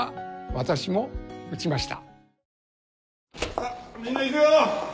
さあみんな行くよ！